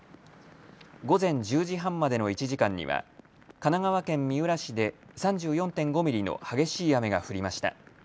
午前１０時半までの１時間には神奈川県三浦市で３４．５ミリの激しい雨が降りました。